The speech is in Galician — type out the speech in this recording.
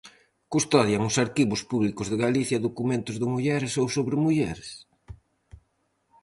Custodian os arquivos públicos de Galicia documentos de mulleres ou sobre mulleres?